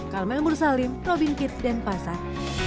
kalmel mursalim robin kitt dan pasar